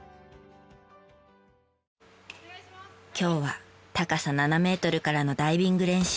今日は高さ７メートルからのダイビング練習。